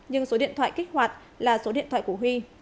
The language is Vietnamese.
nhưng số điện thoại kích hoạt là số điện thoại của huy